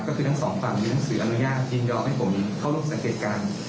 ก็คือทั้ง๒ฝั่งนี่นั่นสื่ออนุญาตยินย้อนให้ผมเข้ารุ๊ปสังเกตการพล